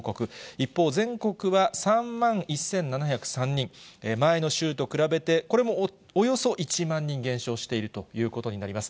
一方、全国は３万１７０３人、前の週と比べて、これもおよそ１万人減少しているということになります。